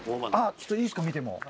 ちょっといいっすか見ても。